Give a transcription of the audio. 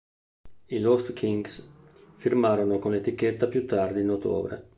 I Lost Kings firmarono con l'etichetta più tardi in ottobre.